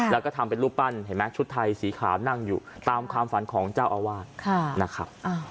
แล้วก็ทำเป็นรูปปั้นเห็นไหมชุดไทยสีขาวนั่งอยู่ตามความฝันของเจ้าอาวาสนะครับ